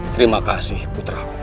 terima kasih putra